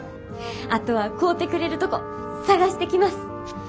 あとは買うてくれるとこ探してきます。